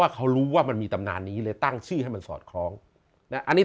เขารู้ว่ามันมีตำนานนี้เลยตั้งชื่อให้มันสอดคล้องอันนี้